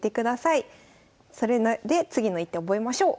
それで次の一手覚えましょう。